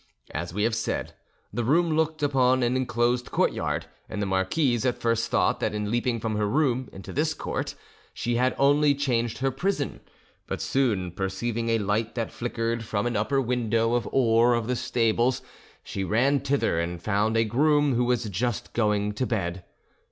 As we have said, the room looked upon an enclosed courtyard; and the marquise at first thought that in leaping from her room into this court she had only changed her prison; but soon perceiving a light that flickered from an upper window of ore of the stables, she ran thither, and found a groom who was just going to bed.